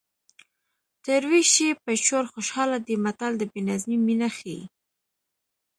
تر وېش یې په چور خوشحاله دی متل د بې نظمۍ مینه ښيي